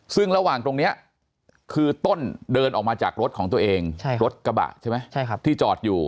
ซึ่งระหว่างตรงนี้คือต้นเดินออกมาจากรถของตัวเองรถกระบะใช่ไหมที่จอดอยู่